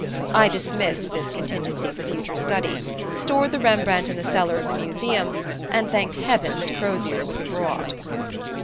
I dismissed this contingency for future study, stored the Rembrandt in the cellar of the Museum, and thanked heaven that Crozier was abroad.